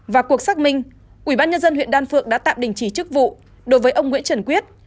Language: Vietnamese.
vào cuộc xác minh ubnd huyện đan phượng đã tạm đình chỉ chức vụ đối với ông nguyễn trần quyết